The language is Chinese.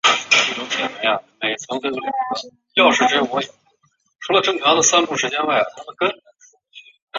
在中国大陆由万卷出版公司发行。